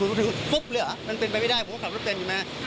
คุณรู้สึกปุ๊บเลยเหรอมันเป็นไปไม่ได้ผมก็ขับรถเต็มใช่ไหม